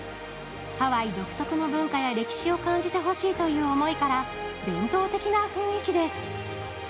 ハワイ独特の文化や歴史を感じてほしいという思いから、伝統的な雰囲気です。